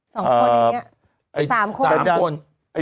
สองคนอีกเนี่ยสามคน